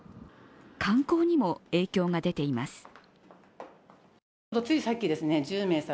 観光にも影響が出ています。